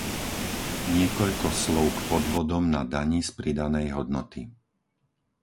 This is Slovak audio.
Niekoľko slov k podvodom na dani z pridanej hodnoty.